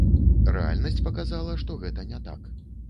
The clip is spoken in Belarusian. Рэальнасць паказала, што гэта не так.